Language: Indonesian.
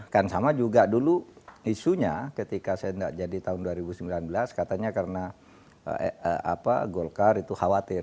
kan sama juga dulu isunya ketika saya tidak jadi tahun dua ribu sembilan belas katanya karena golkar itu khawatir